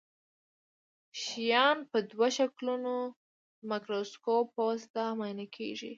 شیان په دوه شکلو د مایکروسکوپ په واسطه معاینه کیږي.